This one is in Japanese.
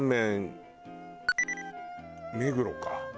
目黒か。